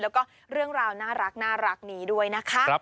แล้วก็เรื่องราวน่ารักนี้ด้วยนะคะ